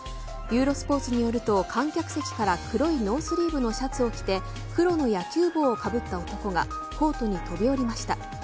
ユーロスポーツによると観客席から黒いノースリーブのシャツを着て黒の野球帽をかぶった男がコートに飛び下りました。